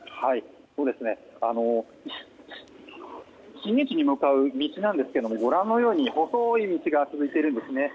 震源地に向かう道なんですがご覧のように細い道が続いているんですね。